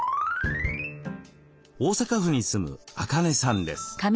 大阪府に住むアカネさんです。